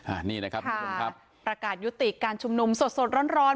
อ่านี่นะครับครับประกาศยุติการชุมนมสดสดร้อนร้อน